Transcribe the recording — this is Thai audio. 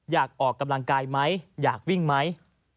อยากออกกำลังกายไหมอยากวิ่งไหม